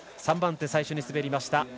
３番手、最初に滑りました